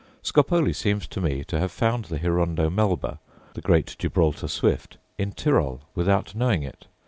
Scopoli seems to me to have found the hirundo melba, the great Gibraltar swift, in Tirol, without knowing it.